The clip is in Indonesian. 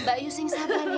mbak yu sing sabat ya